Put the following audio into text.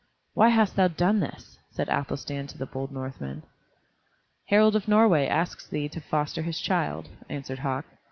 "Why hast thou done this?" said Athelstan to the bold Northman. "Harald of Norway asks thee to foster his child," answered Hauk.